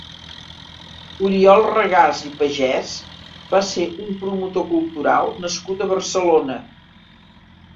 Oriol Regàs i Pagès va ser un promotor cultural nascut a Barcelona.